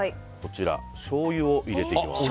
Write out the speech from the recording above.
しょうゆを入れて行きます。